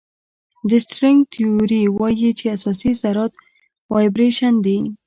د سټرینګ تیوري وایي چې اساسي ذرات وایبریشن دي.